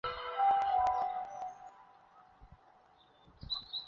该镇由原梅县区雁洋镇和原梅县区三乡镇合并而成。